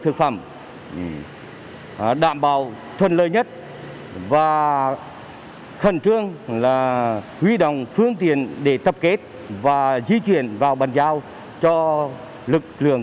thực phẩm đảm bảo thuận lợi nhất và khẩn trương là huy động phương tiện để tập kết và di chuyển vào bàn giao cho lực lượng